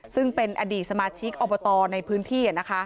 ซึ่งเป็นอดีตสมาชิกอบตในพื้นที่